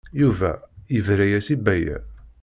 Yuba yebra-as i Baya.